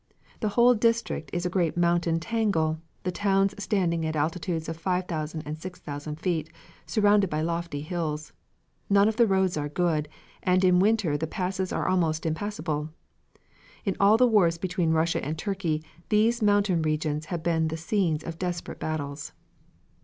The whole district is a great mountain tangle, the towns standing at an altitude of 5,000 and 6,000 feet, surrounded by lofty hills. None of the roads are good, and in winter the passes are almost impassable. In all the wars between Russia and Turkey, these mountain regions have been the scenes of desperate battles.